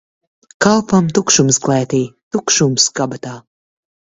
Kalpam tukšums klētī, tukšums kabatā.